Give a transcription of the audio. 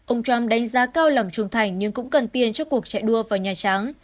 ông trump đánh giá cao làm trung thành nhưng cũng cần tiền cho cuộc chạy đua vào nhà trắng